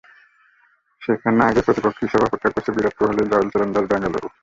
যেখানে আগেই প্রতিপক্ষ হিসেবে অপেক্ষা করছে বিরাট কোহলির রয়্যাল চ্যালেঞ্জার্স বেঙ্গালুরু।